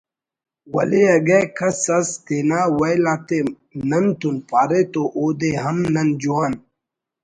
ولے اگہ کس اس تینا ویل آتے نن تون پارے تو اودے ہم نن جوان